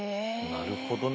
なるほどね。